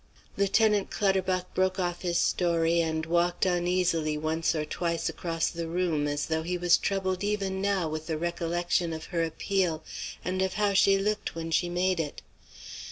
'" Lieutenant Clutterbuck broke off his story and walked uneasily once or twice across the room as though he was troubled even now with the recollection of her appeal and of how she looked when she made it.